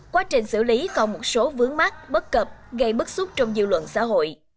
quá trình xử lý còn một số vướng mắt bất cập gây bất xúc trong dư luận xã hội